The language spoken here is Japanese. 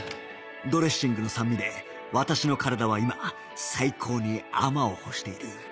ドレッシングの酸味で私の体は今最高に「甘」を欲している